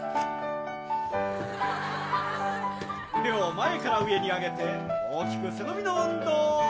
腕を前から上に上げて大きく背伸びの運動。